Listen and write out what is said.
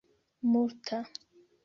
multa